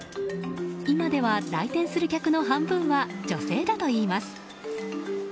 今では来店する客の半分は女性だといいます。